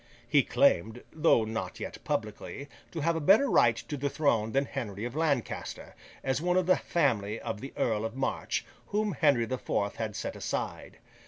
He claimed (though not yet publicly) to have a better right to the throne than Henry of Lancaster, as one of the family of the Earl of March, whom Henry the Fourth had set aside.